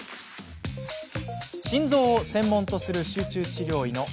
心臓を専門とする集中治療医